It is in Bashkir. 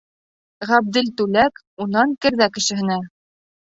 Ғәбделтүләк — Унан керҙе Кешеһенә.